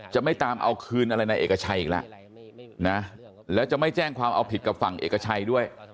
จะไม่ตามเอาคืนอะไรในเอกชัยอีกแล้วนะแล้วจะไม่แจ้งความเอาผิดกับฝั่งเอกชัยด้วย